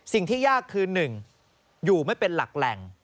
สิ่งที่ยากคือ๑อยู่ไม่เป็นหลักแหล่ง